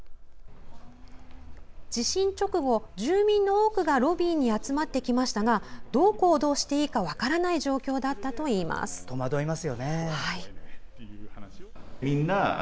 地震直後、住民の多くがロビーに集まってきましたがどう行動していいか分からない状況だったといいます。